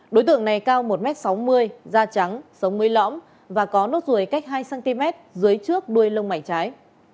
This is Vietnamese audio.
đối tượng này cao một m sáu mươi da trắng sống mới lõm và có nốt ruồi cách hai cm dưới trước đuôi lông mảy trái